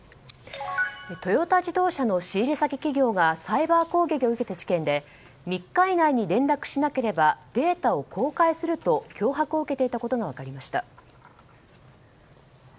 トヨタ自動車の仕入れ先企業がサイバー攻撃を受けた事件で３日以内に連絡しなければデータを公開すると脅迫を受けていたことが分かりました。